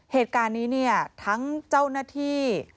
เหตุการณ์นี้เนี่ยทั้งเจ้าหน้าที่